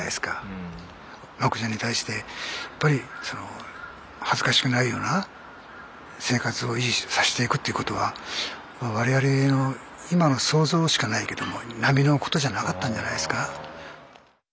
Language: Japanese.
マコちゃんに対してやっぱりその恥ずかしくないような生活を維持させていくということは我々の今の想像しかないけども並のことじゃなかったんじゃないですか。